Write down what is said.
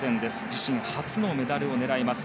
自身初のメダルを狙います。